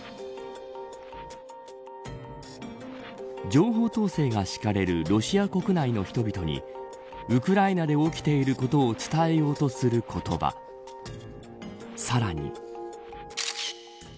情報統制が敷かれるロシア国内の人々にウクライナで起きていることを伝えようとする言葉さらに。